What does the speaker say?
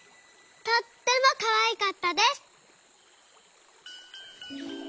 とってもかわいかったです」。